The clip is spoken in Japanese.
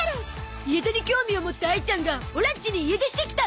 家出に興味を持ったあいちゃんがオラんちに家出してきた